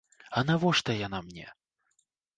А навошта яна мне?